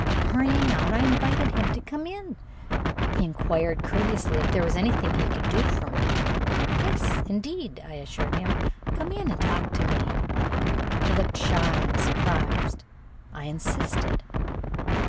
Hurrying out, I invited him to come in. He inquired courteously if there was anything he could do for me. "Yes, indeed," I assured him. "Come in and talk to me." He looked shy and surprised. I insisted.